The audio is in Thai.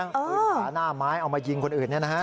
ปืนขาหน้าไม้เอามายิงคนอื่น